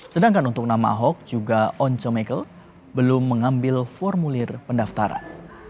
sedangkan untuk nama ahok juga onco mega belum mengambil formulir pendaftaran